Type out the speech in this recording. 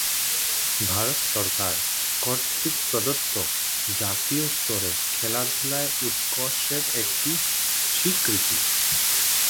ভারত সরকার কর্তৃক প্রদত্ত জাতীয় স্তরে খেলাধুলায় উৎকর্ষের একটি স্বীকৃতি।